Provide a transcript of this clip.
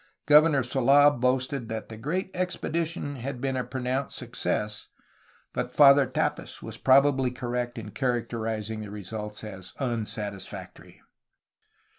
Gov ernor Sold boasted that the "great expedition" had been a pronounced success, but Father Tapis was probably correct in characterizing the results as unsatisfactory.